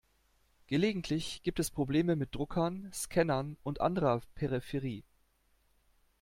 Gelegentlich gibt es Probleme mit Druckern, Scannern und anderer Peripherie.